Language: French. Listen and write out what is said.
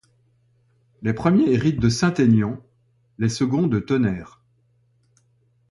Les premiers héritent de Saint-Aignan, les seconds de Tonnerre.